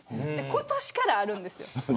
今年からあるんですよ。